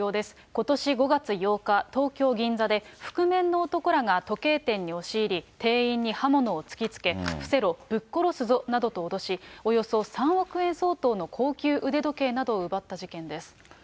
ことし５月８日、東京・銀座で、覆面の男らが時計店に押し入り、店員に刃物を突きつけ、伏せろ、ぶっ殺すぞなどと脅し、およそ３億円相当の高級腕時計などを奪った事件です。